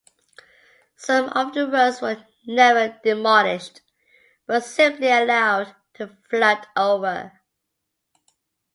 Some of the roads were never demolished, but simply allowed to flood over.